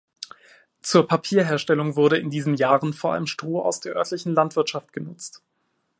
Zur Papierherstellung wurde in diesen Jahren vor allem Stroh aus der örtlichen Landwirtschaft genutzt.